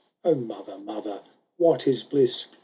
"O mother, mother, what is bliss?